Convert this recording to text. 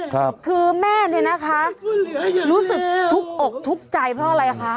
คือแม่เนี่ยนะคะรู้สึกทุกอกทุกข์ใจเพราะอะไรคะ